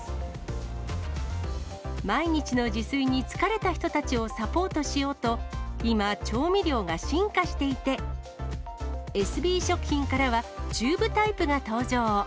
毎日の自炊に疲れた人たちをサポートしようと、今、調味料が進化していて、エスビー食品からはチューブタイプが登場。